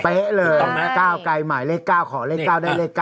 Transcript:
เลยก้าวไกลหมายเลข๙ขอเลข๙ได้เลข๙